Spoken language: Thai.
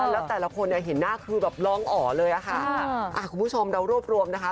แล้วแต่ละคนเนี่ยเห็นหน้าคือแบบร้องอ๋อเลยอะค่ะคุณผู้ชมเรารวบรวมนะคะ